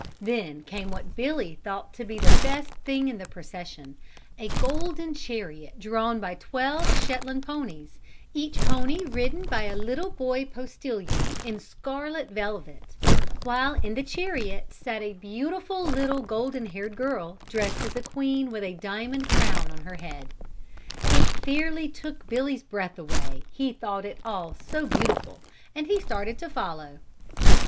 Then came what Billy thought to be the best thing in the procession, a golden chariot drawn by twelve Shetland ponies, each pony ridden by a little boy postilion, in scarlet velvet; while in the chariot sat a beautiful, little, golden haired girl, dressed as a queen, with a diamond crown on her head. It fairly took Billy's breath away, he thought it all so beautiful, and he started to follow.